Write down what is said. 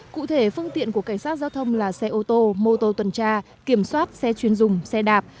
cụ thể phương tiện của cảnh sát giao thông là xe ô tô mô tô tuần tra kiểm soát xe chuyên dùng xe đạp